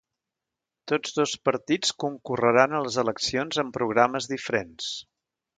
Tots dos partits concorreran a les eleccions amb programes diferents.